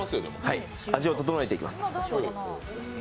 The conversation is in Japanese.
はい、味を調えていきます。